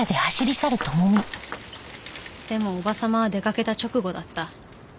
でも叔母様は出かけた直後だった。